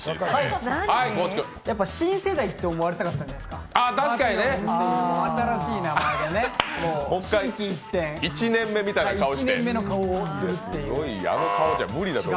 新世代って思われたかったんじゃないですか？